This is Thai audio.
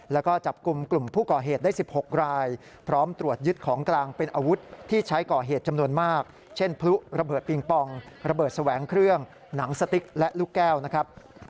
ลูกแก้วนะครับ